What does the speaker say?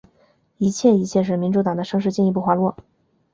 一切一切使民主党的声势进一步滑落。